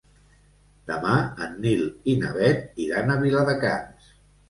Demà en Nil i na Bet iran a Viladecans.